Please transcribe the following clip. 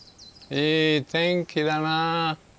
いい天気だな。